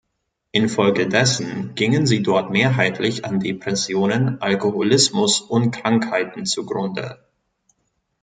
Infolgedessen gingen sie dort mehrheitlich an Depressionen, Alkoholismus und Krankheiten zugrunde.